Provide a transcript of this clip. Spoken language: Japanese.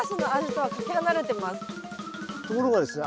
ところがですね